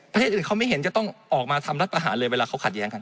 อื่นเขาไม่เห็นจะต้องออกมาทำรัฐประหารเลยเวลาเขาขัดแย้งกัน